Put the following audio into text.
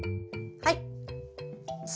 はい。